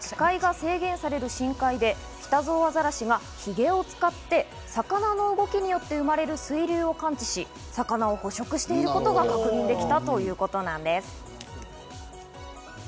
研究グループは視界が制限される深海でキタゾウアザラシがヒゲを使って魚の動きによって生まれる水流を感知し、魚を捕食していることが確認できたということです。